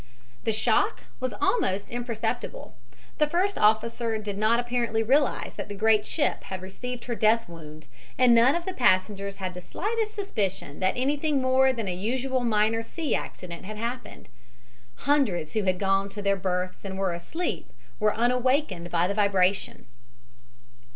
The shock was almost imperceptible. The first officer did not apparently realize that the great ship had received her death wound, and none of the passengers had the slightest suspicion that anything more than a usual minor sea accident had happened. Hundreds who had gone to their berths and were asleep were unawakened by the vibration.